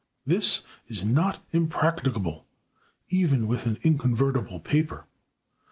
This is not impracticable, even with an inconvertible paper.